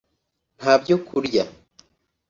nta byo kurya